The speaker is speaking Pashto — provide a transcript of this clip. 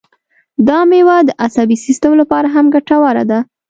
دا مېوه د عصبي سیستم لپاره هم ګټوره ده.